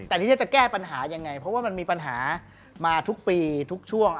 แต่ทีนี้จะแก้ปัญหายังไงเพราะว่ามันมีปัญหามาทุกปีทุกช่วง